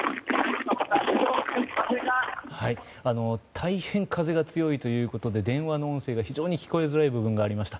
大変風が強いということで電話の音声が非常に聞こえづらい部分がありました。